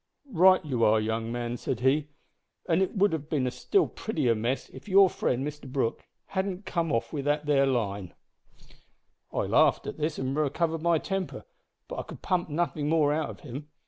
"`Right you are, young man,' said he, `and it would have been a still prettier mess if your friend Mr Brooke hadn't come off wi' that there line!' "I laughed at this and recovered my temper, but I could pump nothing more out of him.